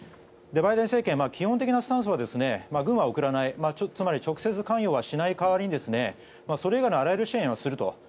バイデン政権は基本的なスタンスは軍は送らない、つまり直接関与はしない代わりにそれ以外のあらゆる支援をする。